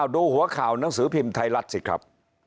ดูหัวข่าวหนังสือพิมพ์ไทยรัฐสิครับ